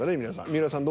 三浦さん